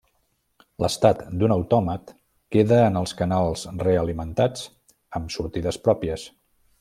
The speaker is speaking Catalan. L'estat d'un autòmat queda en els canals realimentats amb sortides pròpies.